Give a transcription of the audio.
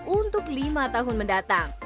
untuk lima tahun mendatang